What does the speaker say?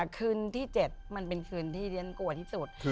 คืนที่๗มันเป็นคืนที่เรียนกลัวที่สุด